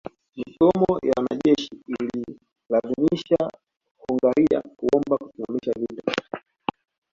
Migomo ya wanajeshi ililazimisha Hungaria kuomba kusimamisha vita